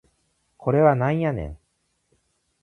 これはなんやねん